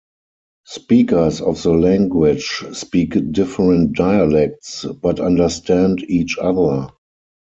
Speakers of the language speak different dialects but understand each other.